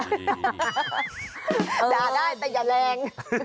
ด่าได้แต่อย่าแรง